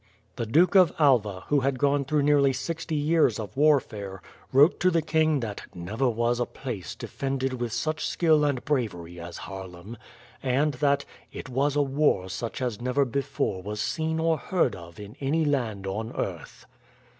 The Duke of Alva, who had gone through nearly sixty years of warfare, wrote to the king that "never was a place defended with such skill and bravery as Haarlem," and that "it was a war such as never before was seen or heard of in any land on earth."